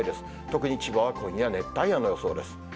特に千葉は今夜、熱帯夜の予想です。